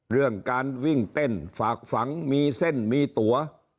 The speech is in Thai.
เรื่องการวิ่งเต้นฝากฝังมีเส้นมีตัว